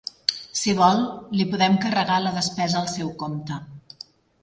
Si vol, li podem carregar la despesa al seu compte.